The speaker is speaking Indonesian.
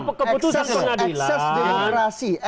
ya keputusan pengadilan